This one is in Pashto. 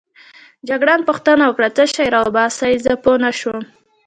جګړن پوښتنه وکړه: څه شی راوباسې؟ زه پوه نه شوم.